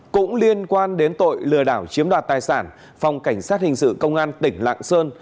cũng liên quan đến tội lừa đảo chiếm đoạt tài sản phòng cảnh sát hình sự công an tỉnh lạng sơn